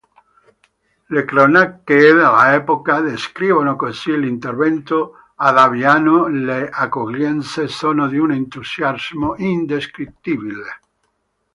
Le cronache dell'epoca descrivono così l'intervento "Ad Aviano le accoglienze sono di un'entusiarmo indescrivibile.